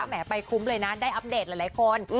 แหมไปคุ้มเลยนะได้อัปเดตหลายคน